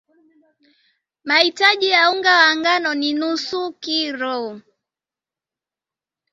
mahitaji ya unga wa ngano ni nusu kilo